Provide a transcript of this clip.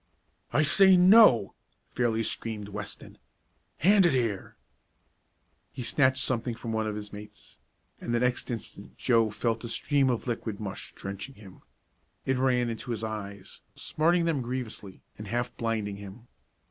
"I say no!" fairly screamed Weston. "Hand it here!" He snatched something from one of his mates, and the next instant Joe felt a stream of liquid mush drenching him. It ran into his eyes, smarting them grievously, and half blinding him.